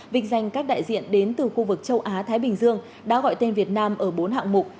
vinh danh các đại diện đến từ khu vực châu á thái bình dương đã gọi tên việt nam ở bốn hạng mục